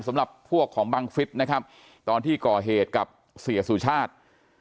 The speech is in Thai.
สำหรับพวกของบังฟิศนะครับตอนที่ก่อเหตุกับเสียสุชาติ